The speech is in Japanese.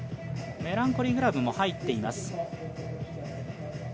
メランコリーグラブも入っています。